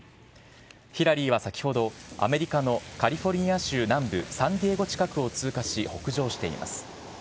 ヒラリーは先ほど、アメリカのカリフォルニア州南部サンディエゴ近くを通過し、北上しています。